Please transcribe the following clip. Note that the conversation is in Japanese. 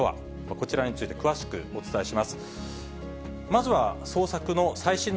こちらについて詳しくお伝えします。